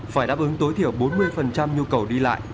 phải đáp ứng tối thiểu bốn mươi nhu cầu đi lại